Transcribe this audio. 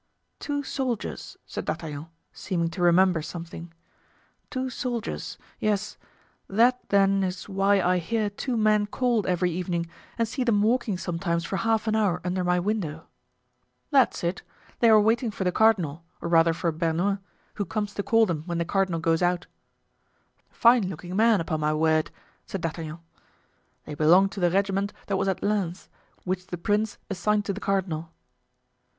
"Two soldiers," said D'Artagnan, seeming to remember something, "two soldiers, yes; that, then, is why I hear two men called every evening and see them walking sometimes for half an hour, under my window." "That is it; they are waiting for the cardinal, or rather for Bernouin, who comes to call them when the cardinal goes out." "Fine looking men, upon my word!" said D'Artagnan. "They belong to the regiment that was at Lens, which the prince assigned to the cardinal."